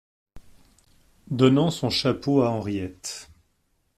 Donnant son chapeau à Henriette.